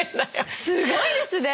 ⁉すごいですね！